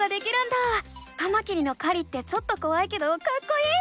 カマキリの狩りってちょっとこわいけどかっこいい！